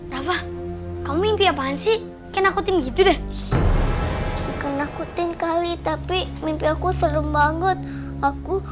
rafa kau mimpi apaan sih kena kutip gitu deh kena kutip kali tapi mimpi aku serem banget aku